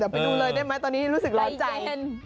เดี๋ยวไปดูเลยได้ไหมตอนนี้รู้สึกร้อนใจ